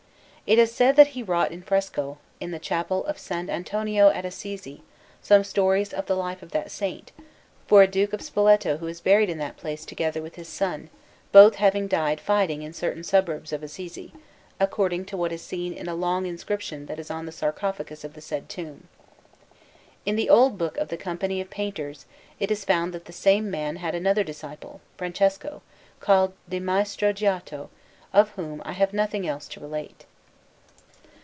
It is said that he wrought in fresco, in the Chapel of S. Antonio at Assisi, some stories of the life of that Saint, for a Duke of Spoleto who is buried in that place together with his son, both having died fighting in certain suburbs of Assisi, according to what is seen in a long inscription that is on the sarcophagus of the said tomb. In the old book of the Company of Painters it is found that the same man had another disciple, Francesco, called di Maestro Giotto, of whom I have nothing else to relate.